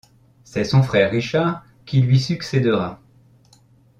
C'est son frère Richard qui lui succèdera.